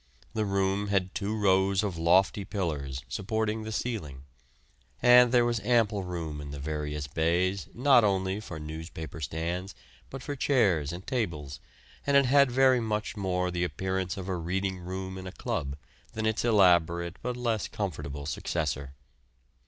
The room had two rows of lofty pillars supporting the ceiling; and there was ample room in the various bays not only for newspaper stands, but for chairs and tables, and it had very much more the appearance of a reading room in a club than its elaborate, but less comfortable successor.